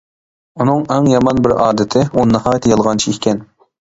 ئۇنىڭ ئەڭ يامان بىر ئادىتى ئۇ ناھايىتى يالغانچى ئىكەن.